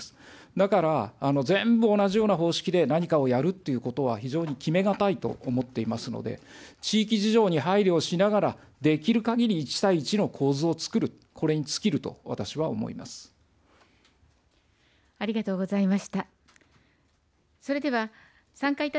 だから全部同じような方式で何かをやるっていうことは非常に決め難いと思っていますので、地域事情に配慮をしながら、できるかぎり１対１の構図をつくると、ありがとうございました。